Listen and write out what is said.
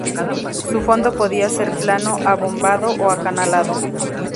Su fondo podía ser plano, abombado o acanalado.